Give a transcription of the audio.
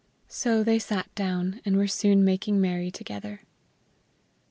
So they sat down, and were soon making merry together.